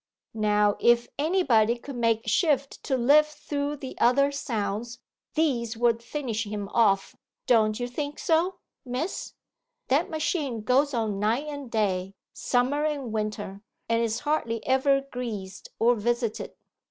'Now if anybody could make shift to live through the other sounds, these would finish him off, don't you think so, miss? That machine goes on night and day, summer and winter, and is hardly ever greased or visited.